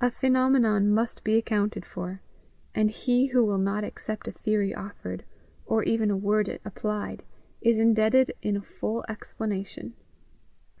A phenomenon must be accounted for, and he who will not accept a theory offered, or even a word applied, is indebted in a full explanation.